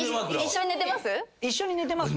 一緒に寝てます？